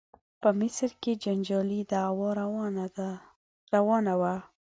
په مصر کې جنجالي دعوا روانه وه.